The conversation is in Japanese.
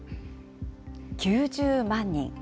９０万人。